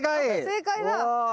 正解だ。